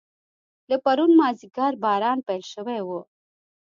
له پرون مازیګر باران پیل شوی و.